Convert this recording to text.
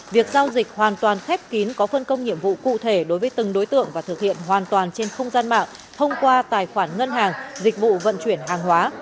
việc giao dịch hoàn toàn khép kín có phân công nhiệm vụ cụ thể đối với từng đối tượng và thực hiện hoàn toàn trên không gian mạng thông qua tài khoản ngân hàng dịch vụ vận chuyển hàng hóa